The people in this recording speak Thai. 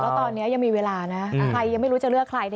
แล้วตอนนี้ยังมีเวลานะใครยังไม่รู้จะเลือกใคร